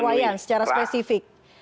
kawayan secara spesifik